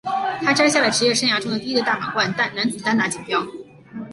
他摘下了职业生涯中的第一个大满贯男子单打锦标。